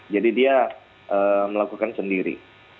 jadi dia melakukan sendiri